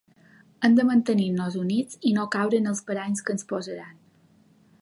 Hem de mantenir-nos units i no caure en els paranys que ens posaran.